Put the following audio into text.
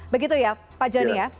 begitu ya pak joni ya